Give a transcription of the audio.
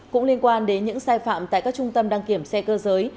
cũng liên quan đến những sai phạm tại các trung tâm đăng kiểm xe cơ giới